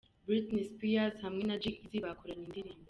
Britney Spears hamwe na G Eazy bakoranye indirimbo.